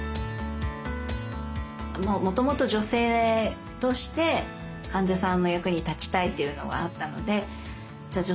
もともと女性として患者さんの役に立ちたいというのがあったのでじゃあ